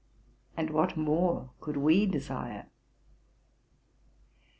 And what more could we desire?